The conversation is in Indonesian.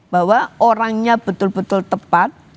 bahwa orangnya betul betul tepat